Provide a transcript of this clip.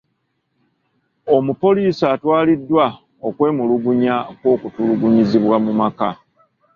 Omupoliisi atwaliddwa okwemulugunya kw'okutulugunyizibwa mu maka.